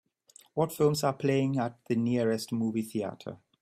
What films are playing at the nearest movie theatre